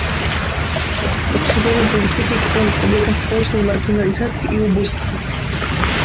Potrzebujemy polityki, która zapobiega społecznej marginalizacji i ubóstwu